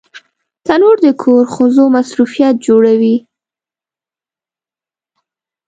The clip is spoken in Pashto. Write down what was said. تنور د کور ښځو مصروفیت جوړوي